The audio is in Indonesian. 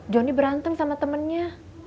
johnny berantem sama temennya